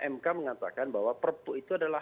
mk mengatakan bahwa perpu itu adalah